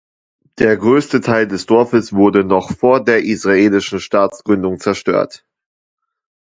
Der größte Teil des Dorfes wurde noch vor der israelischen Staatsgründung zerstört.